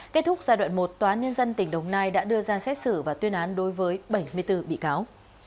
kết thúc giai đoạn một tòa nhân dân tỉnh đồng nai đã đưa ra xét xử và tuyên án đối với bảy mươi bốn bị cáo